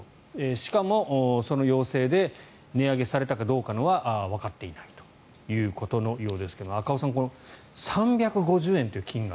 しかも、その要請で値上げされたかどうかはわかっていないことのようですが赤尾さん、３５０円という金額